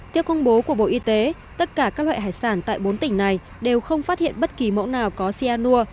theo công bố của bộ y tế tất cả các loại hải sản tại bốn tỉnh này đều không phát hiện bất kỳ mẫu nào có cyanur